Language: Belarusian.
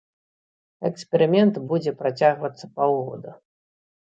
Эксперымент будзе працягвацца паўгода.